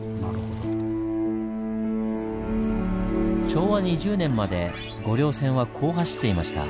昭和２０年まで御陵線はこう走っていました。